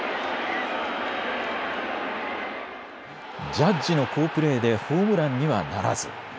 ジャッジの好プレーでホームランにはならず。